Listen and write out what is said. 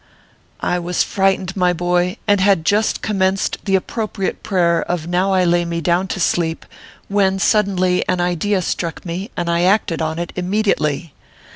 I was frightened, my boy, and had just commenced the appropriate prayer of " Now I lay me down to sleep," when suddenly an idea struck me, and I acted on it immediately.